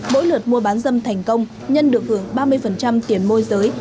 mỗi lượt mua bán dâm thành công nhân được hưởng ba mươi tiền môi giới